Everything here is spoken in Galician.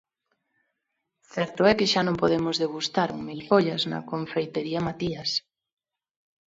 Certo é que xa non podemos degustar un milfollas na confeitería Matías.